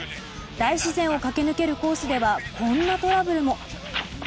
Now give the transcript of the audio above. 大自然を駆け抜けるコースではこんなトラブルも。